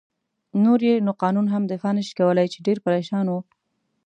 نور يې نو قانون هم دفاع نه شي کولای، چې ډېر پرېشان و.